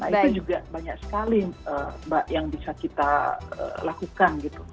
nah itu juga banyak sekali mbak yang bisa kita lakukan gitu